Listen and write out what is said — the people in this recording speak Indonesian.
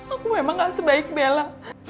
aku memang gak sebaik bella